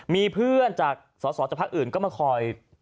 มีเพื่อนจากสอสอจากพักอื่นก็มาคอย